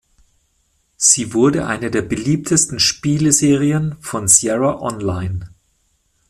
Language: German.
Sie wurde eine der beliebtesten Spieleserien von Sierra On-Line.